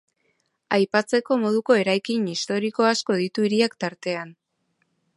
Aipatzeko moduko eraikin historiko asko ditu hiriak, tartean.